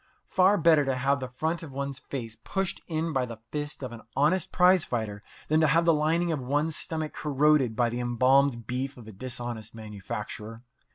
Far better to have the front of one's face pushed in by the fist of an honest prize fighter than to have the lining of one's stomach corroded by the embalmed beef of a dishonest manufacturer.